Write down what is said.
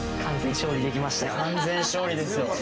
完全勝利ですよ。